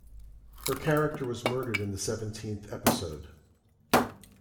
Her character was murdered in the seventeenth episode.